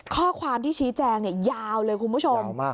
ข้อความที่ชี้แจงยาวเลยคุณผู้ชม